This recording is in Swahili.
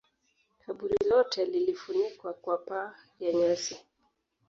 Kaburi lote lilifunikwa kwa paa ya nyasi